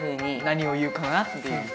何を言うかなって。